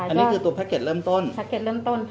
อันนี้คือตัวแพ็คเกจเริ่มต้น